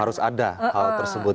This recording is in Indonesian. harus ada hal tersebut